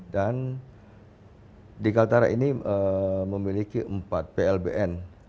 dan di kaltara ini memiliki empat plbn